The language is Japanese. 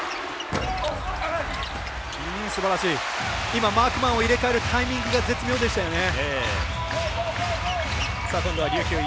今マークマンを入れ替えるタイミングが絶妙でしたよね。